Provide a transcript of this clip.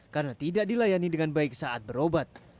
karena tidak dilayani dengan baik saat berobat